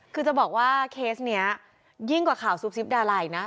คือจะบอกว่าเคสนี้ยิ่งกว่าข่าวซุปซิบดาลัยนะ